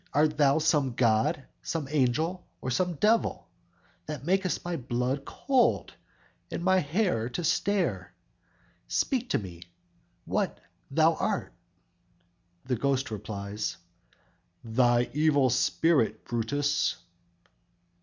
Art thou some god, some angel or some devil, That makest my blood cold, and my hair to stare? Speak to me, what thou art."_ The Ghost replies: _"Thy evil spirit, Brutus!